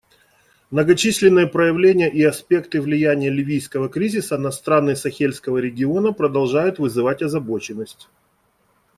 Многочисленные проявления и аспекты влияния ливийского кризиса на страны Сахельского региона продолжают вызывать озабоченность.